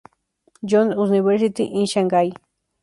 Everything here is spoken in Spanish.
John's University in Shanghai".